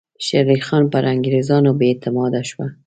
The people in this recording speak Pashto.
شېر علي خان پر انګریزانو بې اعتماده شو.